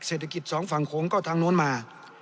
เศรษฐกิจสองฝั่งโขงก็ทางโน้นมา